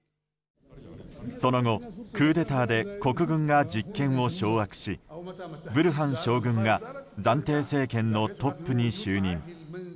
その後、クーデターで国軍が実権を掌握しブルハン将軍が暫定政権のトップに就任。